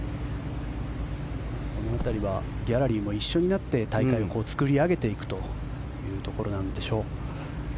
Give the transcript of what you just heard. その辺りはギャラリーも一緒になって大会を作り上げていくというところなんでしょう。